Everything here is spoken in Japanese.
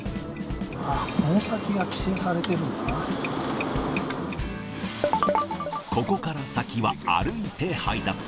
あっ、この先が規制されてるここから先は歩いて配達。